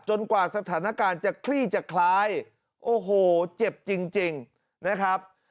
กว่าสถานการณ์จะคลี่จะคล้ายโอ้โหเจ็บจริงนะครับ